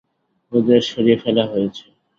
ওদের সরিয়ে ফেলা হয়েছে।